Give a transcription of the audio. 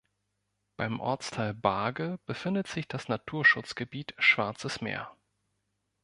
Beim Ortsteil Barge befindet sich das Naturschutzgebiet Schwarzes Meer.